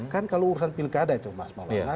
kan kalau urusan pilkada itu mas maulana